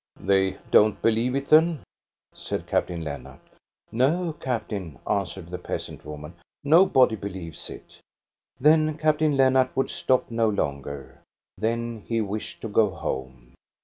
"They don't believe it, then?" said Captain Len nart« " No, captain," answered the peasant woman. " No body believes it." Then Captain Lennart would stop no longer ; then he wished to go home.